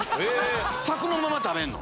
柵のまま食べるの？